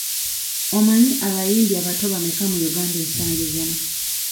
Omanyi abayimbi abato bameka mu Uganda ensangi zino?